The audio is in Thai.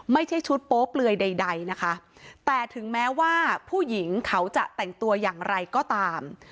ไม่ใช่ชุดโป๊เปลือยใดนะคะแต่ถึงแม้ว่าผู้หญิงเขาจะแต่งตัวอย่างไรก็ตาม